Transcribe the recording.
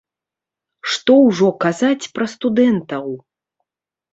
Што ўжо казаць пра студэнтаў!